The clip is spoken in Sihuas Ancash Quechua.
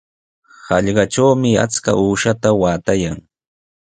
Hallqatrawmi achka uushaata waatayan.